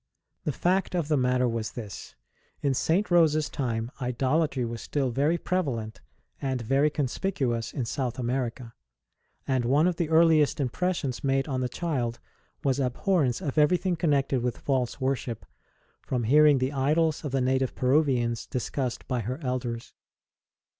The fact of the matter was this : in St. Rose s time idolatry was still very prevalent and very conspicuous in South America ; and one of the earliest impressions made on the child was abhorrence of everything connected with false worship, from hearing the idols of the native Peruvians discussed by her elders.